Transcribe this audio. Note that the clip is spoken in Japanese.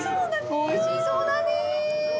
おいしそうだね。